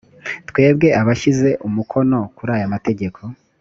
twebwe abashyize umukono kuri aya mategeko